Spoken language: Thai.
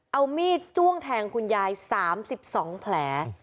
เอามีดจ้วงแทงคุณยาย๓๒แผล